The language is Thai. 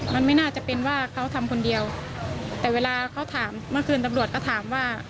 มันไม่น่าจะเป็นว่าเขาทำคนเดียวแต่เวลาเขาถามเมื่อคืนตำรวจก็ถามว่า